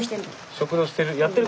食堂してる。